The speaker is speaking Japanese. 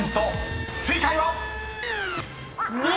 ［正解は⁉］